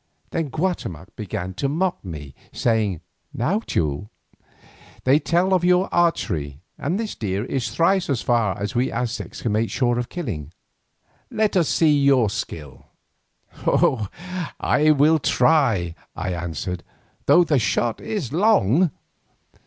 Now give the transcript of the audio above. Then Guatemoc began to mock me, saying, "Now, Teule, they tell tales of your archery, and this deer is thrice as far as we Aztecs can make sure of killing. Let us see your skill." "I will try," I answered, "though the shot is long."